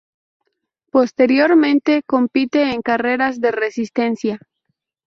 Posteriormente compite en carreras de resistencia.